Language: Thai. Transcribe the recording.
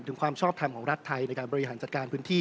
ความชอบทำของรัฐไทยในการบริหารจัดการพื้นที่